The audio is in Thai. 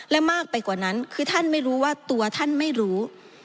และมากไปกว่านั้นคือท่านไม่รู้ว่าตัวท่านไม่รู้